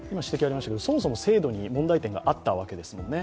そもそも制度に問題点があったわけですね。